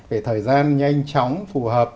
về thời gian nhanh chóng phù hợp